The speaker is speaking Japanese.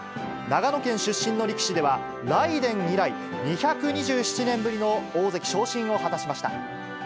長野県出身の力士では、雷電以来、２２７年ぶりの大関昇進を果たしました。